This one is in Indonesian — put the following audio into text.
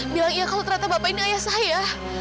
bilang iya kalau ternyata bapak ini ayah saya